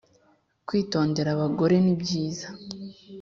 Kwitondera abagore nibyiza